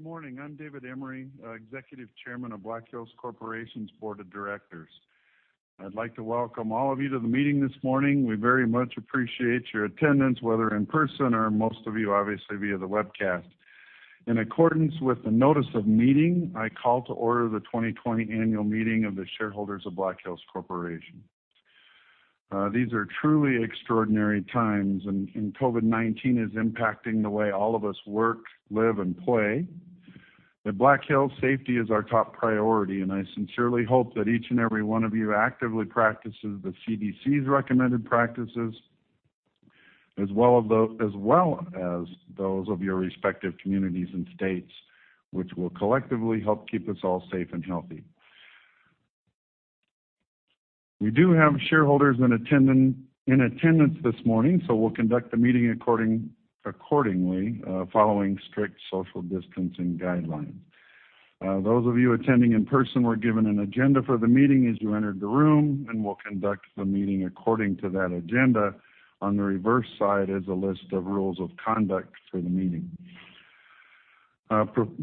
Good morning. I'm David Emery, Executive Chairman of Black Hills Corporation's Board of Directors. I'd like to welcome all of you to the meeting this morning. We very much appreciate your attendance, whether in person or most of you, obviously, via the webcast. In accordance with the notice of meeting, I call to order the 2020 annual meeting of the shareholders of Black Hills Corporation. These are truly extraordinary times, and COVID-19 is impacting the way all of us work, live, and play. At Black Hills, safety is our top priority, and I sincerely hope that each and every one of you actively practices the CDC's recommended practices as well as those of your respective communities and states, which will collectively help keep us all safe and healthy. We do have shareholders in attendance this morning, so we'll conduct the meeting accordingly, following strict social distancing guidelines. Those of you attending in person were given an agenda for the meeting as you entered the room, and we'll conduct the meeting according to that agenda. On the reverse side is a list of rules of conduct for the meeting.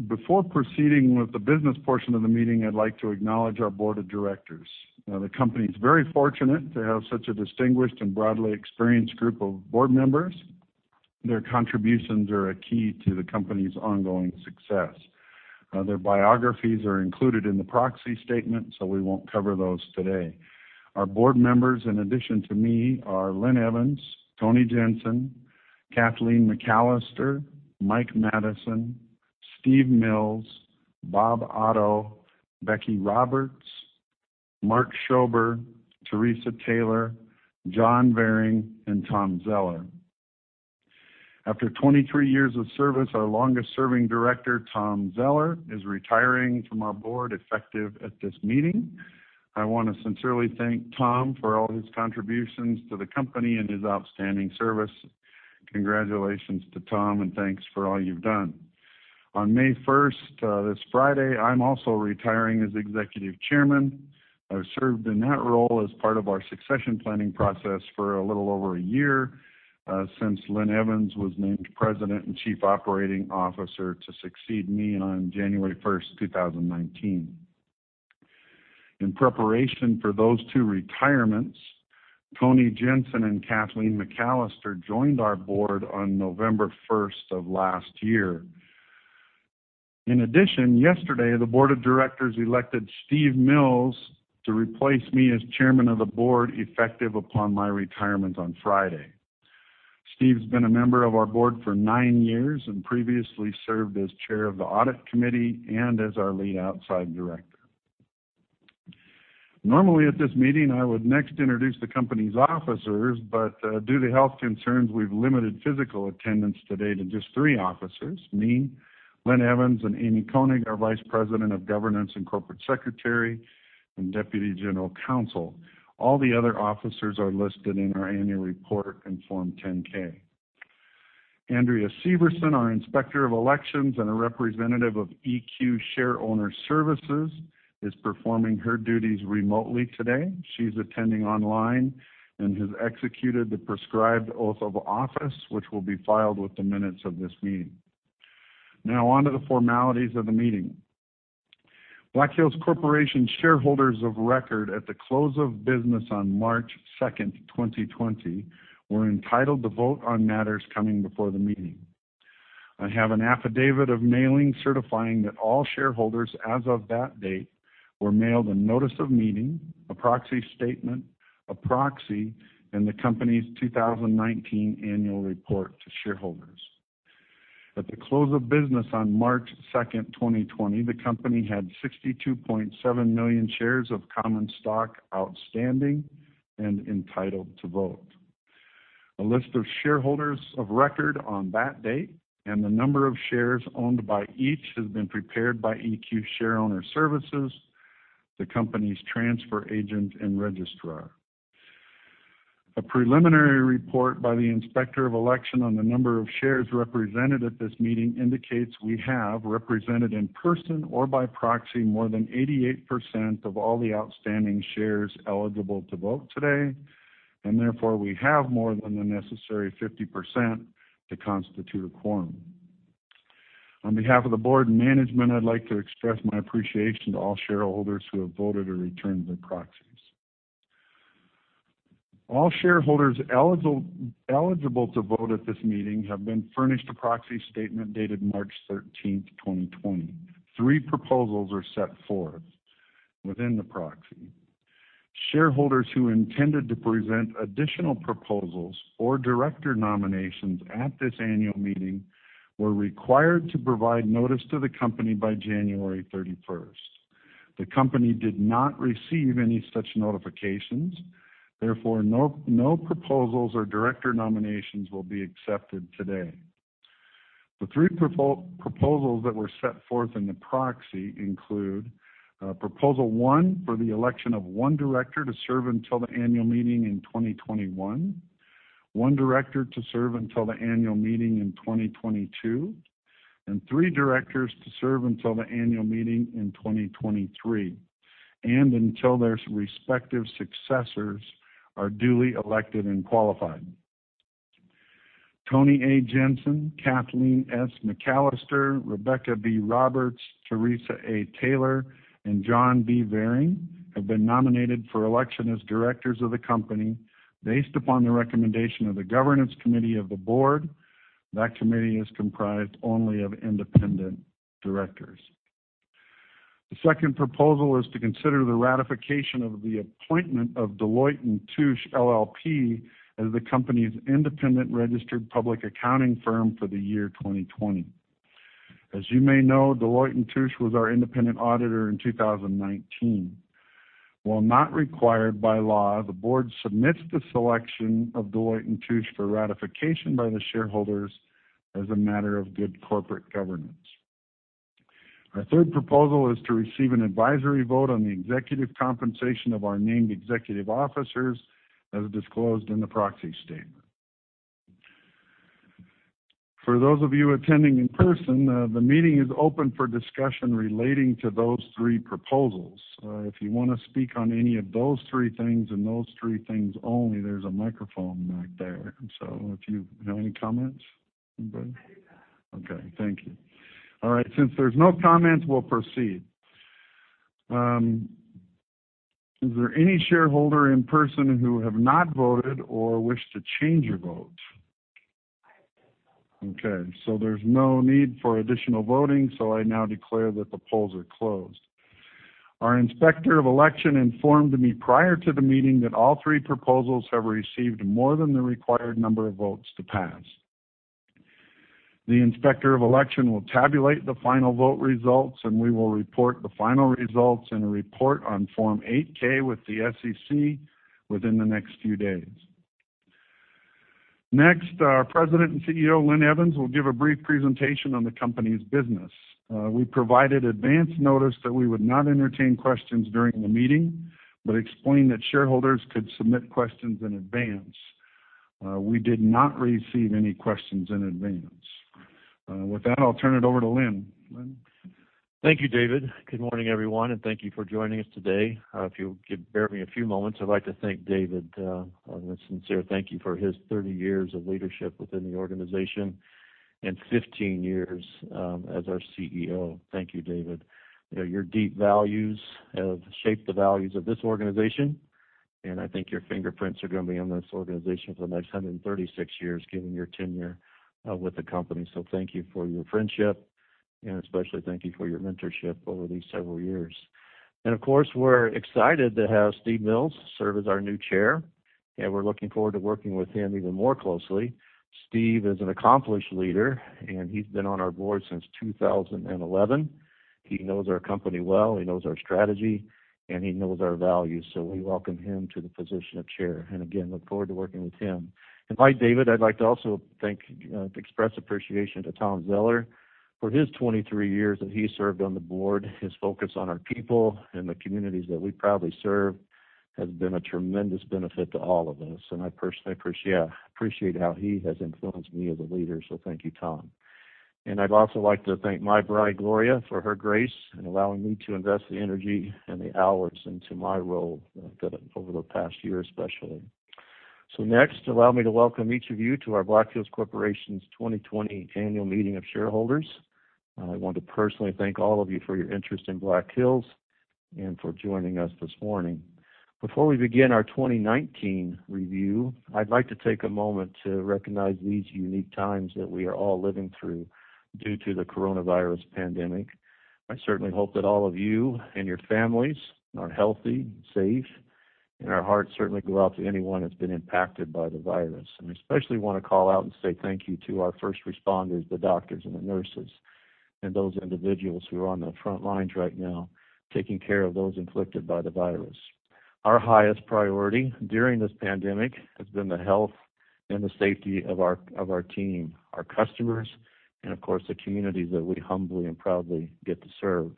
Before proceeding with the business portion of the meeting, I'd like to acknowledge our Board of Directors. The company's very fortunate to have such a distinguished and broadly experienced group of board members. Their contributions are a key to the company's ongoing success. Their biographies are included in the proxy statement, so we won't cover those today. Our board members, in addition to me, are Linn Evans, Tony Jensen, Kathleen McAllister, Mike Madison, Steve Mills, Bob Otto, Becky Roberts, Mark Schober, Teresa Taylor, John Vering, and Tom Zeller. After 23 years of service, our longest-serving director, Tom Zeller, is retiring from our board, effective at this meeting. I want to sincerely thank Tom for all his contributions to the company and his outstanding service. Congratulations to Tom, and thanks for all you've done. On May 1st, this Friday, I'm also retiring as Executive Chairman. I served in that role as part of our succession planning process for a little over a year, since Linn Evans was named President and Chief Operating Officer to succeed me on January 1st, 2019. In preparation for those two retirements, Tony Jensen and Kathleen McAllister joined our board on November 1st of last year. Yesterday, the Board of Directors elected Steve Mills to replace me as Chairman of the Board, effective upon my retirement on Friday. Steve's been a member of our board for nine years and previously served as Chair of the Audit Committee and as our lead outside director. Normally at this meeting, I would next introduce the company's officers, but due to health concerns, we've limited physical attendance today to just three officers, me, Linn Evans, and Amy Koenig, our Vice President of Governance and Corporate Secretary and Deputy General Counsel. All the other officers are listed in our annual report and Form 10-K. Andrea Severson, our Inspector of Elections and a representative of EQ Shareowner Services, is performing her duties remotely today. She's attending online and has executed the prescribed oath of office, which will be filed with the minutes of this meeting. Now on to the formalities of the meeting. Black Hills Corporation shareholders of record at the close of business on March 2nd, 2020, were entitled to vote on matters coming before the meeting. I have an affidavit of mailing certifying that all shareholders as of that date were mailed a notice of meeting, a proxy statement, a proxy, and the company's 2019 annual report to shareholders. At the close of business on March 2nd, 2020, the company had 62.7 million shares of common stock outstanding and entitled to vote. A list of shareholders of record on that date and the number of shares owned by each has been prepared by EQ Shareowner Services, the company's transfer agent and registrar. A preliminary report by the Inspector of Election on the number of shares represented at this meeting indicates we have represented in person or by proxy more than 88% of all the outstanding shares eligible to vote today, and therefore, we have more than the necessary 50% to constitute a quorum. On behalf of the board and management, I'd like to express my appreciation to all shareholders who have voted or returned their proxies. All shareholders eligible to vote at this meeting have been furnished a proxy statement dated March 13th, 2020. Three proposals are set forth within the proxy. Shareholders who intended to present additional proposals or director nominations at this annual meeting were required to provide notice to the company by January 31st. The company did not receive any such notifications. Therefore, no proposals or director nominations will be accepted today. The three proposals that were set forth in the proxy include proposal one for the election of one director to serve until the annual meeting in 2021, one director to serve until the annual meeting in 2022, and three directors to serve until the annual meeting in 2023, and until their respective successors are duly elected and qualified. Tony A. Jensen, Kathleen S. McAllister, Rebecca B. Roberts, Teresa A. Taylor, and John B. Vering have been nominated for election as directors of the company based upon the recommendation of the Governance Committee of the board. That committee is comprised only of independent directors. The second proposal is to consider the ratification of the appointment of Deloitte & Touche LLP as the company's independent registered public accounting firm for the year 2020. As you may know, Deloitte & Touche was our independent auditor in 2019. While not required by law, the board submits the selection of Deloitte & Touche for ratification by the shareholders as a matter of good corporate governance. Our third proposal is to receive an advisory vote on the executive compensation of our named executive officers as disclosed in the proxy statement. For those of you attending in person, the meeting is open for discussion relating to those three proposals. If you want to speak on any of those three things, and those three things only, there's a microphone back there. If you have any comments? Anybody? I do not. Okay, thank you. All right. Since there's no comments, we'll proceed. Is there any shareholder in person who have not voted or wish to change your vote? I have not. Okay, there's no need for additional voting, so I now declare that the polls are closed. Our Inspector of Election informed me prior to the meeting that all three proposals have received more than the required number of votes to pass. The Inspector of Election will tabulate the final vote results. We will report the final results in a report on Form 8-K with the SEC within the next few days. Next, our President and CEO, Linn Evans, will give a brief presentation on the company's business. We provided advance notice that we would not entertain questions during the meeting but explained that shareholders could submit questions in advance. We did not receive any questions in advance. With that, I'll turn it over to Linn. Linn? Thank you, David. Good morning, everyone, and thank you for joining us today. If you could bear with me a few moments, I'd like to thank David with a sincere thank you for his 30 years of leadership within the organization and 15 years as our CEO. Thank you, David. Your deep values have shaped the values of this organization, and I think your fingerprints are going to be on this organization for the next 136 years, given your tenure with the company. Thank you for your friendship, and especially thank you for your mentorship over these several years. Of course, we're excited to have Steve Mills serve as our new Chair, and we're looking forward to working with him even more closely. Steve is an accomplished leader, and he's been on our board since 2011. He knows our company well, he knows our strategy, and he knows our values. We welcome him to the position of Chair, and again, look forward to working with him. Like David, I'd like to also express appreciation to Tom Zeller for his 23 years that he served on the board. His focus on our people and the communities that we proudly serve has been a tremendous benefit to all of us, and I personally appreciate how he has influenced me as a leader. Thank you, Tom. I'd also like to thank my bride, Gloria, for her grace in allowing me to invest the energy and the hours into my role over the past year, especially. Next, allow me to welcome each of you to our Black Hills Corporation's 2020 Annual Meeting of Shareholders. I want to personally thank all of you for your interest in Black Hills and for joining us this morning. Before we begin our 2019 review, I'd like to take a moment to recognize these unique times that we are all living through due to the coronavirus pandemic. I certainly hope that all of you and your families are healthy, safe, and our hearts certainly go out to anyone that's been impacted by the virus. We especially want to call out and say thank you to our first responders, the doctors, and the nurses, and those individuals who are on the front lines right now taking care of those inflicted by the virus. Our highest priority during this pandemic has been the health and the safety of our team, our customers, and of course, the communities that we humbly and proudly get to serve.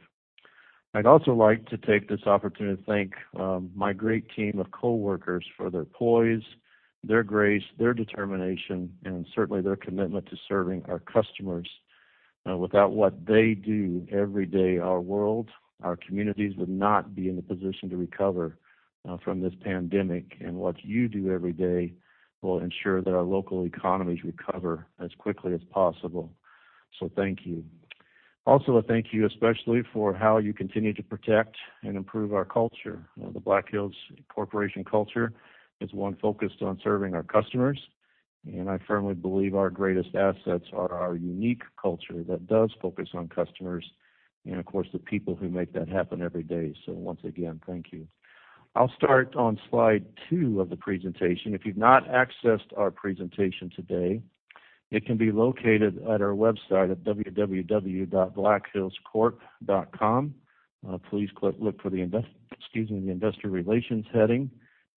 I'd also like to take this opportunity to thank my great team of coworkers for their poise, their grace, their determination, and certainly their commitment to serving our customers. Without what they do every day, our world, our communities would not be in the position to recover from this pandemic. What you do every day will ensure that our local economies recover as quickly as possible. Thank you. Also, a thank you, especially, for how you continue to protect and improve our culture. The Black Hills Corporation culture is one focused on serving our customers, and I firmly believe our greatest assets are our unique culture that does focus on customers and, of course, the people who make that happen every day. Once again, thank you. I'll start on slide two of the presentation. If you've not accessed our presentation today, it can be located at our website at www.blackhillscorp.com. Please look for the Investor Relations heading,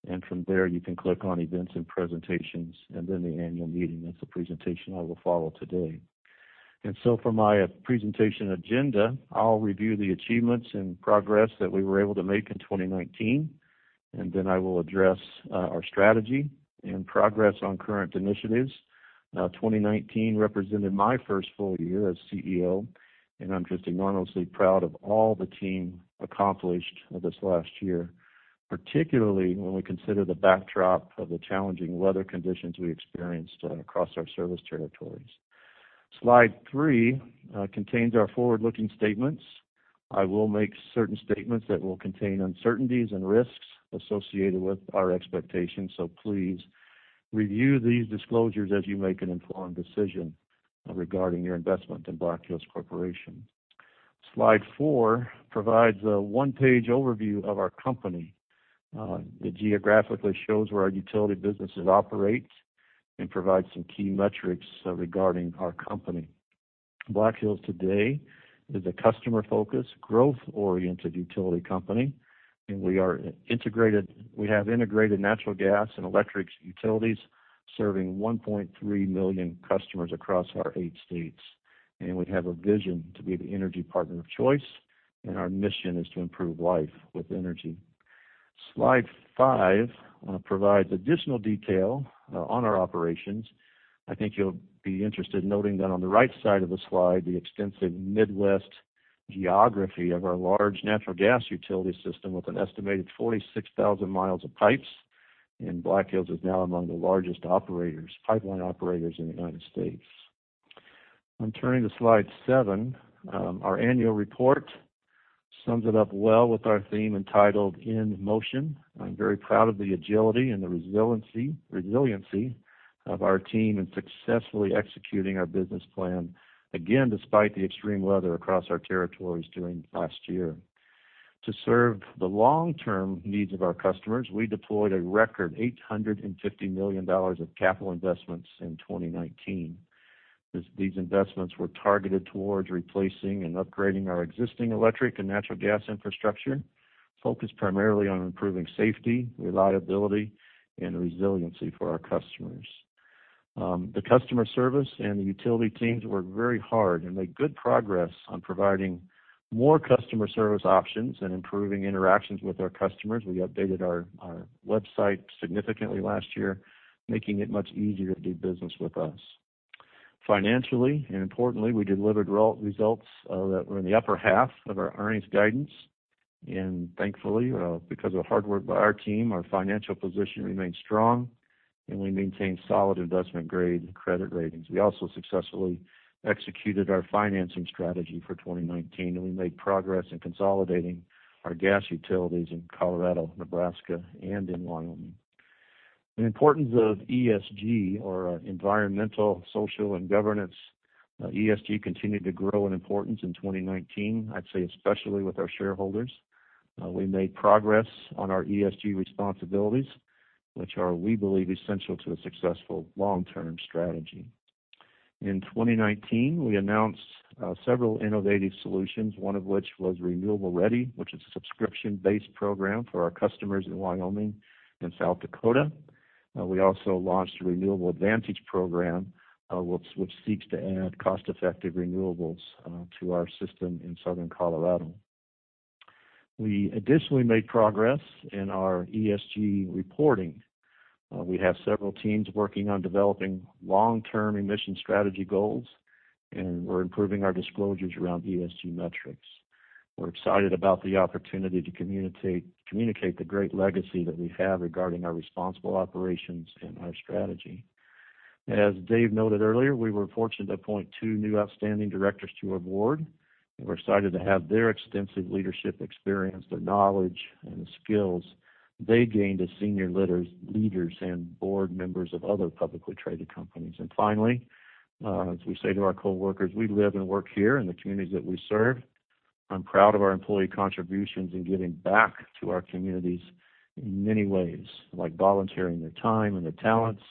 and from there, you can click on Events and Presentations, and then the Annual Meeting. That's the presentation I will follow today. For my presentation agenda, I'll review the achievements and progress that we were able to make in 2019, and then I will address our strategy and progress on current initiatives. 2019 represented my first full year as CEO, and I'm just enormously proud of all the team accomplished this last year. Particularly when we consider the backdrop of the challenging weather conditions we experienced across our service territories. Slide three contains our forward-looking statements. I will make certain statements that will contain uncertainties and risks associated with our expectations. Please review these disclosures as you make an informed decision regarding your investment in Black Hills Corporation. Slide four provides a one-page overview of our company. It geographically shows where our utility businesses operate and provide some key metrics regarding our company. Black Hills today is a customer-focused, growth-oriented utility company, and we have integrated natural gas and electric utilities serving 1.3 million customers across our eight states. We have a vision to be the energy partner of choice, and our mission is to improve life with energy. Slide five provides additional detail on our operations. I think you'll be interested in noting that on the right side of the slide, the extensive Midwest geography of our large natural gas utility system with an estimated 46,000 mi of pipes, and Black Hills is now among the largest pipeline operators in the U.S. I'm turning to slide seven. Our annual report sums it up well with our theme entitled In Motion. I'm very proud of the agility and the resiliency of our team in successfully executing our business plan, again, despite the extreme weather across our territories during last year. To serve the long-term needs of our customers, we deployed a record $850 million of capital investments in 2019. These investments were targeted towards replacing and upgrading our existing electric and natural gas infrastructure, focused primarily on improving safety, reliability, and resiliency for our customers. The customer service and the utility teams worked very hard and made good progress on providing more customer service options and improving interactions with our customers. We updated our website significantly last year, making it much easier to do business with us. Financially and importantly, we delivered results that were in the upper half of our earnings guidance. Thankfully, because of hard work by our team, our financial position remains strong and we maintain solid investment-grade credit ratings. We also successfully executed our financing strategy for 2019. We made progress in consolidating our gas utilities in Colorado, Nebraska, and in Wyoming. The importance of ESG or our environmental, social, and governance. ESG continued to grow in importance in 2019, I'd say especially with our shareholders. We made progress on our ESG responsibilities, which are, we believe, essential to a successful long-term strategy. In 2019, we announced several innovative solutions, one of which was Renewable Ready, which is a subscription-based program for our customers in Wyoming and South Dakota. We also launched the Renewable Advantage program, which seeks to add cost-effective renewables to our system in Southern Colorado. We additionally made progress in our ESG reporting. We have several teams working on developing long-term emission strategy goals, and we're improving our disclosures around ESG metrics. We're excited about the opportunity to communicate the great legacy that we have regarding our responsible operations and our strategy. As Dave noted earlier, we were fortunate to appoint two new outstanding directors to our board, and we're excited to have their extensive leadership experience, their knowledge, and the skills they gained as senior leaders and board members of other publicly traded companies. Finally, as we say to our coworkers, we live and work here in the communities that we serve. I'm proud of our employee contributions in giving back to our communities in many ways, like volunteering their time and their talents,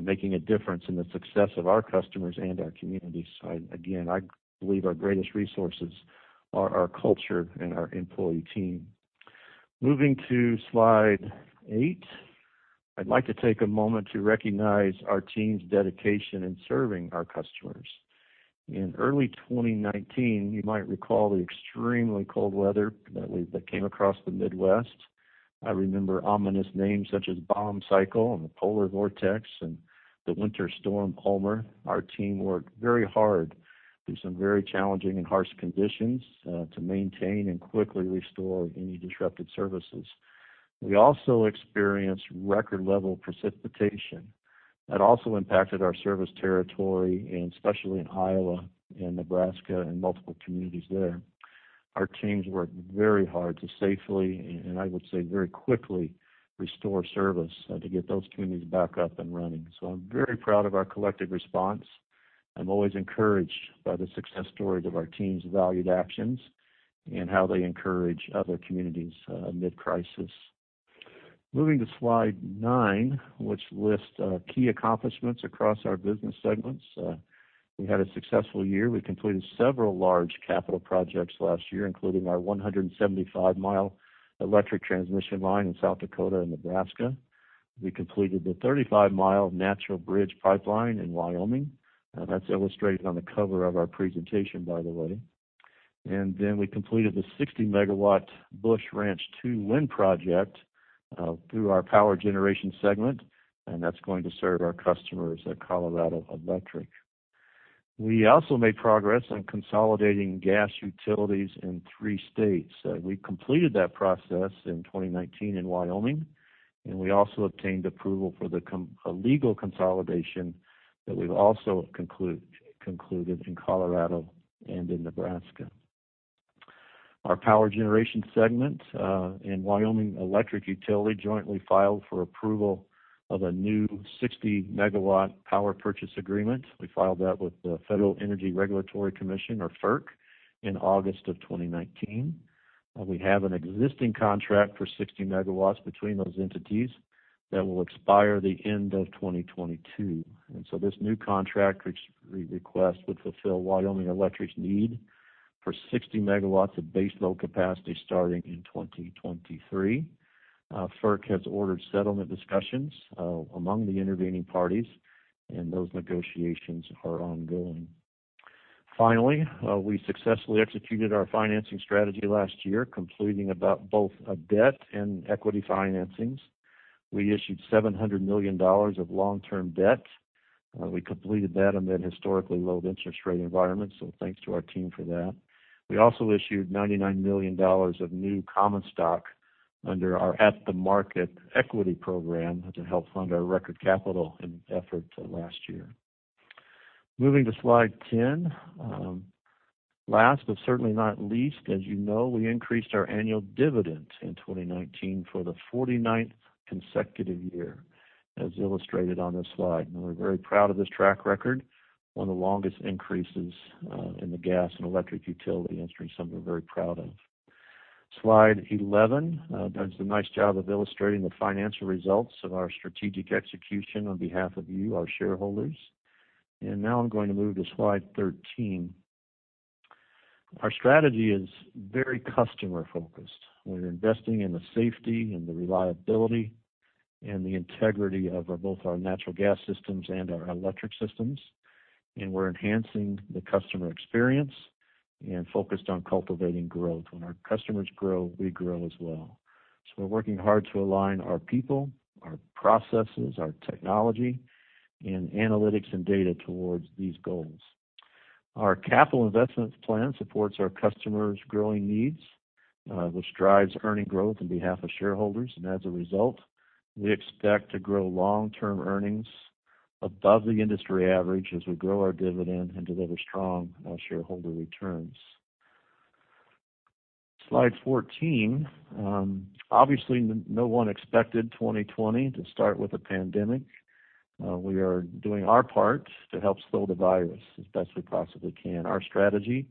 making a difference in the success of our customers and our communities. Again, I believe our greatest resources are our culture and our employee team. Moving to slide eight, I'd like to take a moment to recognize our team's dedication in serving our customers. In early 2019, you might recall the extremely cold weather that came across the Midwest. I remember ominous names such as Bomb Cyclone and the Polar Vortex and the Winter Storm Ulmer. Our team worked very hard through some very challenging and harsh conditions to maintain and quickly restore any disrupted services. We also experienced record level precipitation that also impacted our service territory, and especially in Iowa and Nebraska and multiple communities there. Our teams worked very hard to safely, and I would say very quickly restore service to get those communities back up and running. I'm very proud of our collective response. I'm always encouraged by the success stories of our team's valued actions and how they encourage other communities amid crisis. Moving to slide nine, which lists key accomplishments across our business segments. We had a successful year. We completed several large capital projects last year, including our 175 mi electric transmission line in South Dakota and Nebraska. We completed the 35 mi Natural Bridge Pipeline in Wyoming. That's illustrated on the cover of our presentation, by the way. We completed the 60 MW Busch Ranch II wind project through our power generation segment, and that's going to serve our customers at Black Hills Colorado Electric. We also made progress on consolidating gas utilities in three states. We completed that process in 2019 in Wyoming, and we also obtained approval for a legal consolidation that we've also concluded in Colorado and in Nebraska. Our power generation segment and Wyoming Electric jointly filed for approval of a new 60 MW power purchase agreement. We filed that with the Federal Energy Regulatory Commission, or FERC, in August of 2019. We have an existing contract for 60 MW between those entities that will expire the end of 2022. This new contract re-request would fulfill Wyoming Electric's need for 60 MW of base load capacity starting in 2023. FERC has ordered settlement discussions among the intervening parties, and those negotiations are ongoing. Finally, we successfully executed our financing strategy last year, completing about both a debt and equity financings. We issued $700 million of long-term debt. We completed that amid historically low interest rate environments, so thanks to our team for that. We also issued $99 million of new common stock under our at-the-market equity program to help fund our record capital in effort last year. Moving to slide 10. Last but certainly not least, as you know, we increased our annual dividend in 2019 for the 49th consecutive year, as illustrated on this slide. We're very proud of this track record, one of the longest increases in the gas and electric utility industry, something we're very proud of. Slide 11 does a nice job of illustrating the financial results of our strategic execution on behalf of you, our shareholders. Now I'm going to move to slide 13. Our strategy is very customer-focused. We're investing in the safety and the reliability and the integrity of both our natural gas systems and our electric systems. We're enhancing the customer experience and focused on cultivating growth. When our customers grow, we grow as well. We're working hard to align our people, our processes, our technology, and analytics and data towards these goals. Our capital investment plan supports our customers' growing needs, which drives earnings growth on behalf of shareholders. As a result, we expect to grow long-term earnings above the industry average as we grow our dividend and deliver strong shareholder returns. Slide 14. Obviously, no one expected 2020 to start with a pandemic. We are doing our part to help slow the virus as best we possibly can. Our strategy,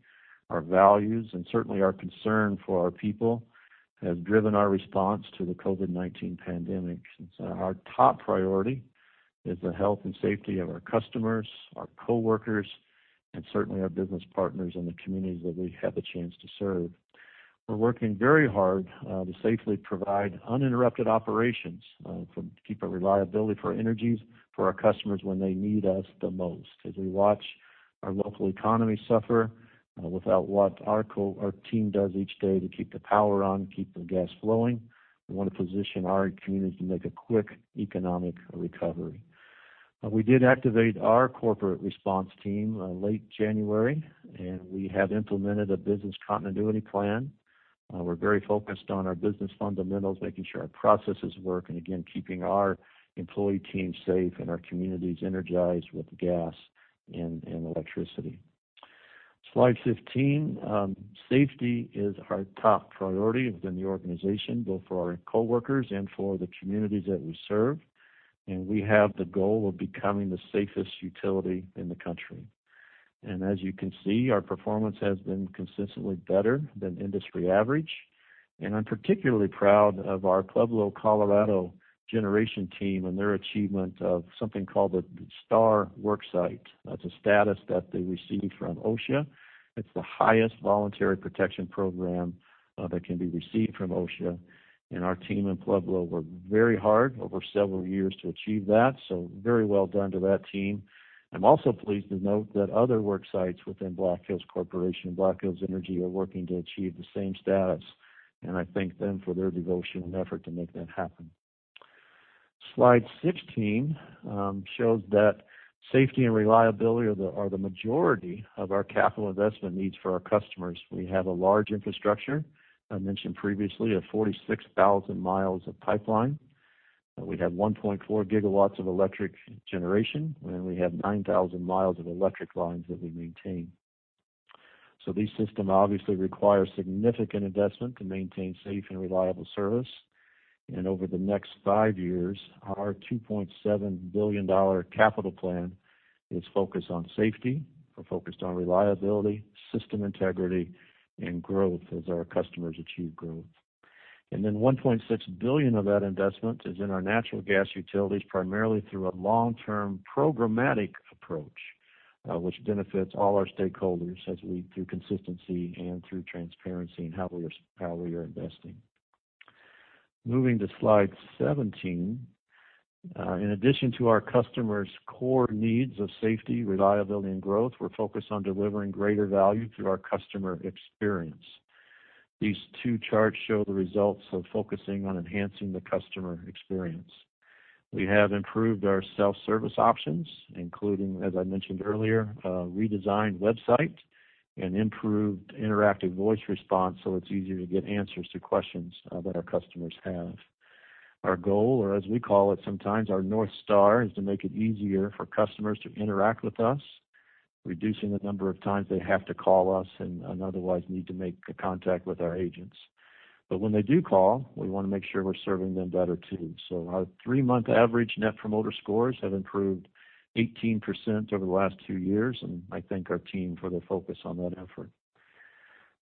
our values, and certainly our concern for our people have driven our response to the COVID-19 pandemic. Our top priority is the health and safety of our customers, our coworkers, and certainly our business partners in the communities that we have a chance to serve. We're working very hard to safely provide uninterrupted operations, to keep a reliability for energies for our customers when they need us the most. As we watch our local economy suffer, without what our team does each day to keep the power on, keep the gas flowing, we want to position our community to make a quick economic recovery. We did activate our corporate response team late January. We have implemented a business continuity plan. We're very focused on our business fundamentals, making sure our processes work, and again, keeping our employee team safe and our communities energized with gas and electricity. Slide 15. Safety is our top priority within the organization, both for our coworkers and for the communities that we serve. We have the goal of becoming the safest utility in the country. As you can see, our performance has been consistently better than industry average. I'm particularly proud of our Pueblo, Colorado generation team and their achievement of something called the Star Worksite. That's a status that they received from OSHA. It's the highest Voluntary Protection Program that can be received from OSHA. Our team in Pueblo worked very hard over several years to achieve that. Very well done to that team. I'm also pleased to note that other work sites within Black Hills Corporation and Black Hills Energy are working to achieve the same status, and I thank them for their devotion and effort to make that happen. Slide 16 shows that safety and reliability are the majority of our capital investment needs for our customers. We have a large infrastructure, I mentioned previously, of 46,000 mi of pipeline. We have 1.4 GW of electric generation, and we have 9,000 mi of electric lines that we maintain. These system obviously require significant investment to maintain safe and reliable service. Over the next five years, our $2.7 billion capital plan is focused on safety, we're focused on reliability, system integrity, and growth as our customers achieve growth. Then $1.6 billion of that investment is in our natural gas utilities, primarily through a long-term programmatic approach, which benefits all our stakeholders as we, through consistency and through transparency in how we are investing. Moving to slide 17. In addition to our customers' core needs of safety, reliability, and growth, we're focused on delivering greater value through our customer experience. These two charts show the results of focusing on enhancing the customer experience. We have improved our self-service options, including, as I mentioned earlier, a redesigned website and improved interactive voice response, so it's easier to get answers to questions that our customers have. Our goal, or as we call it sometimes, our North Star, is to make it easier for customers to interact with us, reducing the number of times they have to call us and otherwise need to make contact with our agents. When they do call, we want to make sure we're serving them better too. Our three-month average Net Promoter Scores have improved 18% over the last two years, and I thank our team for their focus on that effort.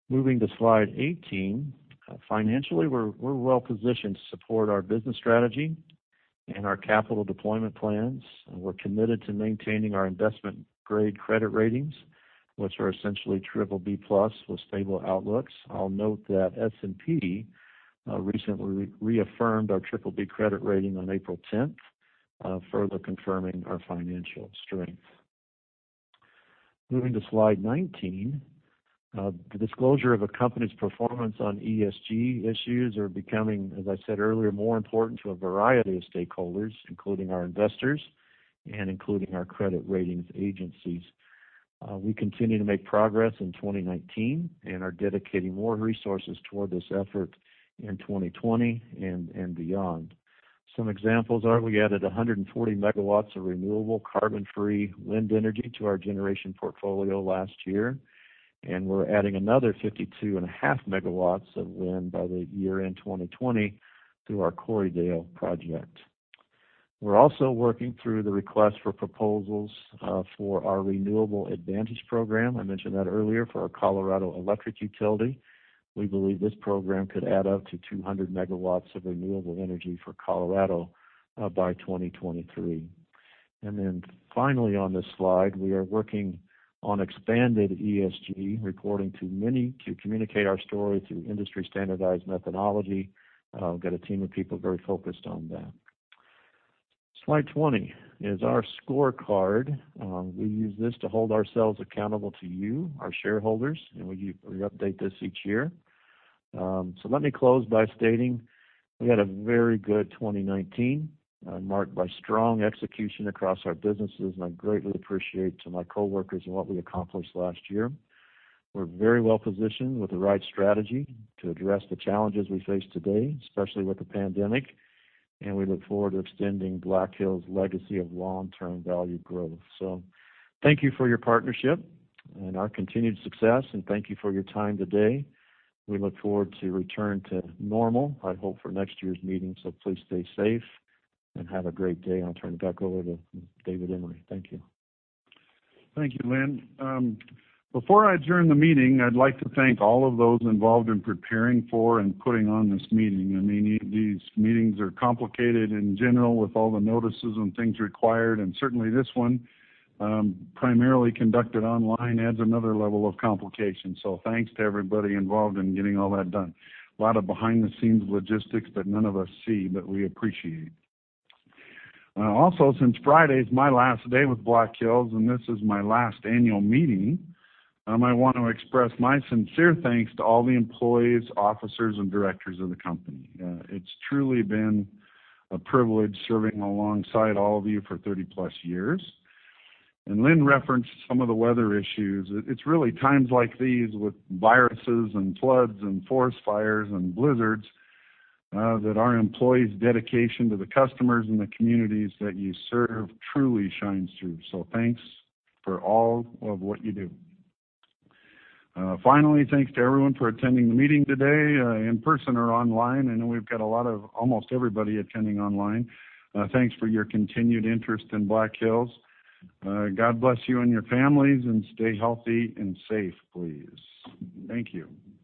Moving to slide 18, financially, we're well-positioned to support our business strategy and our capital deployment plans. We're committed to maintaining our investment-grade credit ratings, which are essentially BBB+ with stable outlooks. I'll note that S&P recently reaffirmed our BBB credit rating on April 10th, further confirming our financial strength. Moving to slide 19. The disclosure of a company's performance on ESG issues are becoming, as I said earlier, more important to a variety of stakeholders, including our investors and including our credit ratings agencies. We continue to make progress in 2019 and are dedicating more resources toward this effort in 2020 and beyond. Some examples are we added 140 MW of renewable carbon-free wind energy to our generation portfolio last year. We're adding another 52.5 MW of wind by the year-end 2020 through our Corriedale project. We're also working through the request for proposals for our Renewable Advantage Program, I mentioned that earlier, for our Colorado Electric utility. We believe this program could add up to 200 MW of renewable energy for Colorado by 2023. Finally on this slide, we are working on expanded ESG reporting to many to communicate our story through industry-standardized methodology. Got a team of people very focused on that. Slide 20 is our scorecard. We use this to hold ourselves accountable to you, our shareholders, and we update this each year. Let me close by stating we had a very good 2019, marked by strong execution across our businesses, and I greatly appreciate to my coworkers and what we accomplished last year. We're very well-positioned with the right strategy to address the challenges we face today, especially with the pandemic, and we look forward to extending Black Hills' legacy of long-term value growth. Thank you for your partnership and our continued success, and thank you for your time today. We look forward to return to normal, I hope, for next year's meeting. Please stay safe and have a great day. I'll turn it back over to David Emery. Thank you. Thank you, Linn. Before I adjourn the meeting, I'd like to thank all of those involved in preparing for and putting on this meeting. These meetings are complicated in general with all the notices and things required. Certainly this one, primarily conducted online, adds another level of complication. Thanks to everybody involved in getting all that done. A lot of behind-the-scenes logistics that none of us see. We appreciate. Since Friday is my last day with Black Hills, this is my last annual meeting, I want to express my sincere thanks to all the employees, officers, and directors of the company. It's truly been a privilege serving alongside all of you for 30-plus years. Linn referenced some of the weather issues. It's really times like these with viruses and floods and forest fires and blizzards, that our employees' dedication to the customers and the communities that you serve truly shines through. Thanks for all of what you do. Finally, thanks to everyone for attending the meeting today in person or online. I know we've got a lot of almost everybody attending online. Thanks for your continued interest in Black Hills. God bless you and your families, and stay healthy and safe, please. Thank you.